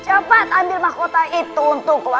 cepat ambil mahkota itu untuk waskola